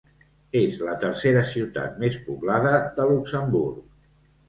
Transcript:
És la tercera ciutat més poblada de Luxemburg.